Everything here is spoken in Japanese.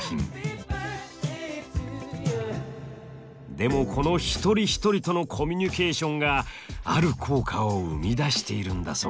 でもこの一人一人とのコミュニケーションがある効果を生み出しているんだそうです。